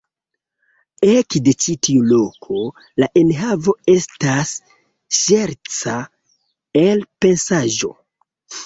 Ekde ĉi tiu loko la enhavo estas ŝerca elpensaĵo.